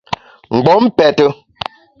Mgbom pète.